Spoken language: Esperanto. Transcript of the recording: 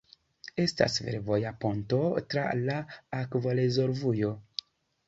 Estas fervoja ponto tra la akvorezervujo.